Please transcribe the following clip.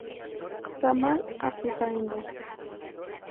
Ramal a Putaendo